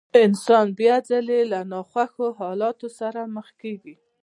انسان بيا ځلې له ناخوښو حالاتو سره مخ کېږي.